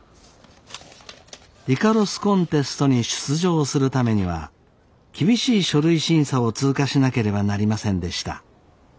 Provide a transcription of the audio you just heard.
イカロスコンテストに出場するためには厳しい書類審査を通過しなければなりませんでした。